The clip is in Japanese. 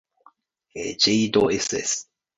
ｊ ど ｓｓ